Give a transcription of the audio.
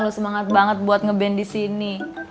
lo semangat banget buat ngeband disini